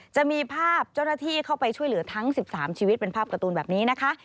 จะมีภาพเจ้าหน้าที่เข้าไปช่วยเหลือทั้ง๑๓ชีวิตเป็นภาพการ์ตูนแบบนี้นะคะ